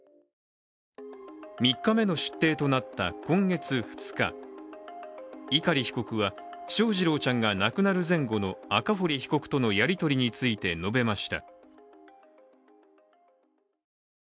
３日目の出廷となった今月２日碇被告は翔士郎ちゃんが亡くなる前後の赤堀被告とのやりとりについて述べました。